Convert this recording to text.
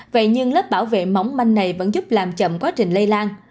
vậy nhưng lớp bảo vệ móng manh này vẫn giúp làm chậm quá trình lây lan